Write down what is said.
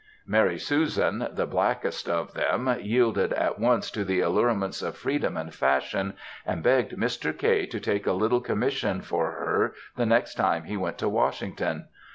"Mary Susan," the blackest of them, yielded at once to the allurements of freedom and fashion, and begged Mr. K. to take a little commission for her the next time he went to Washington.